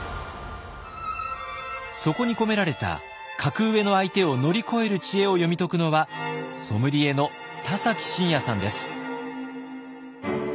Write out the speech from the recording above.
そこに込められた格上の相手を乗り越える知恵を読み解くのはソムリエの田崎真也さんです。